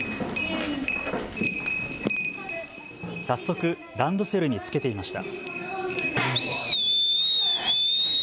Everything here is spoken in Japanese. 早速ランドセルに付けていました。